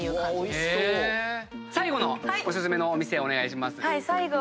最後のお薦めのお店お願いします。